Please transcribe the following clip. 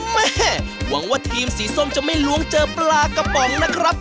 หวังว่าทีมสีส้มจะไม่ล้วงเจอปลากระป๋องนะครับ